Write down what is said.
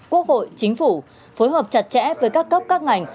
quốc hội chính phủ phối hợp chặt chẽ với các cấp các ngành